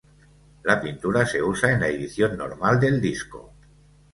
La pintura se usa en la edición normal del disco.